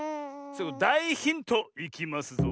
だいヒントいきますぞ。